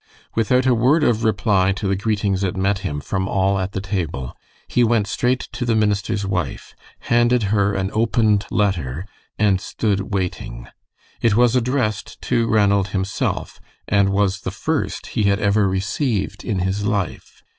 Without a word of reply to the greetings that met him from all at the table, he went straight to the minister's wife, handed her an opened letter, and stood waiting. It was addressed to Ranald himself, and was the first he had ever received in his life.